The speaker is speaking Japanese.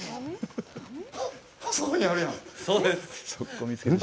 そこにあるやん。